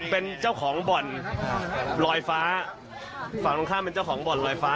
เป็นเจ้าของบ่อนลอยฟ้าฝั่งตรงข้ามเป็นเจ้าของบ่อนลอยฟ้า